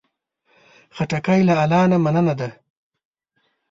خټکی له الله نه مننه ده.